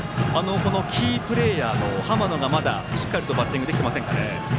このキープレーヤーの浜野がしっかりまだバッティングができていませんかね。